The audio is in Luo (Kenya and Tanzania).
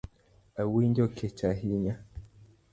Awinjo kech ahinya